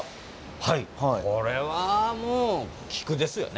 はい、これはもう菊ですよね。